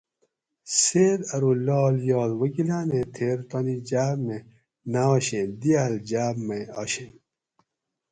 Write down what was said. سیت ارو لاڷ یات وکیلۤانیں تھیر تانی جاۤب می نہ آشیں دیاۤل جاۤب می آشیں